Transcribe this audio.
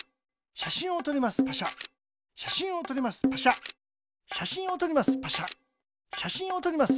しゃしんをとります。